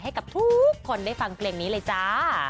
ให้กับทุกคนได้ฟังเพลงนี้เลยจ้า